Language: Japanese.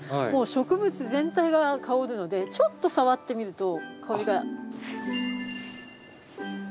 もう植物全体が香るのでちょっと触ってみると香りが。